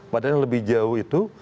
padahal lebih jauh itu